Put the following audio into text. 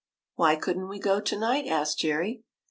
'* ''Why couldn't we go to night?" asked Jerry.